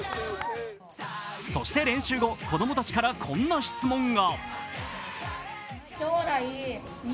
そして練習後子供たちからこんな質問が。